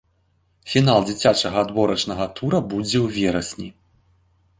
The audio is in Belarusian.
Фінал дзіцячага адборачнага тура будзе у верасні.